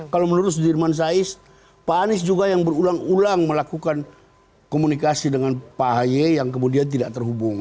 kalau menurut sudirman sais pak anies juga yang berulang ulang melakukan komunikasi dengan pak ahy yang kemudian tidak terhubung